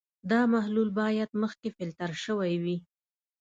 دا محلول باید مخکې فلټر شوی وي.